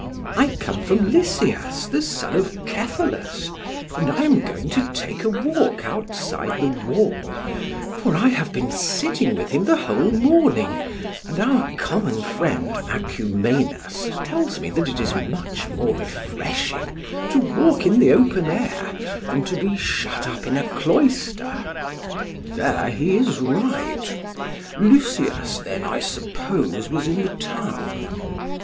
PHAEDRUS: I come from Lysias the son of Cephalus, and I am going to take a walk outside the wall, for I have been sitting with him the whole morning; and our common friend Acumenus tells me that it is much more refreshing to walk in the open air than to be shut up in a cloister. SOCRATES: There he is right. Lysias then, I suppose, was in the town?